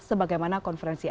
sebagai mana konferensi